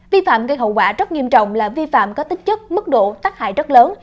vi phạm gây hậu quả rất nghiêm trọng là vi phạm có tính chất mức độ tác hại rất lớn